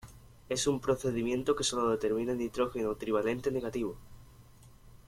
Es un procedimiento que solo determina nitrógeno trivalente negativo.